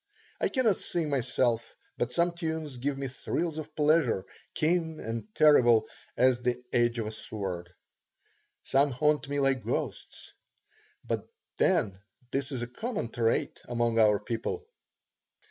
I cannot sing myself, but some tunes give me thrills of pleasure, keen and terrible as the edge of a sword. Some haunt me like ghosts. But then this is a common trait among our people.